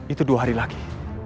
itu dua hari lagi